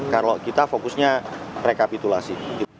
kalau kita fokusnya rekapitulasi